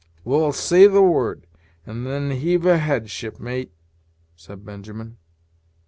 "Well, say the word, and then heave ahead, shipmate," said Benjamin.